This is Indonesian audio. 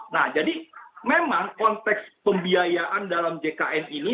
nah jadi memang konteks pembiayaan dalam jkn ini